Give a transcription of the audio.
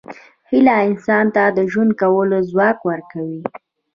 هیله انسان ته د ژوند کولو ځواک ورکوي.